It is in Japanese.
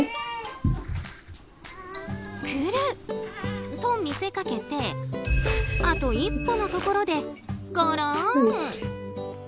来ると見せかけてあと一歩のところでゴロン。